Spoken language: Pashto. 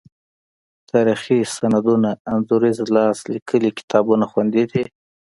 تاریخي سندونه، انځوریز لاس لیکلي کتابونه خوندي دي.